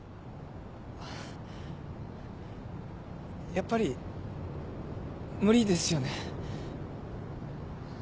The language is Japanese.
やっぱり無理ですよね。